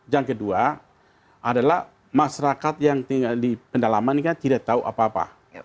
yang kedua adalah masyarakat yang tinggal di pendalaman kan tidak tahu apa apa